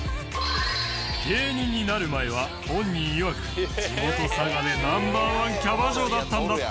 芸人になる前は本人いわく地元佐賀でＮｏ．１キャバ嬢だったんだって。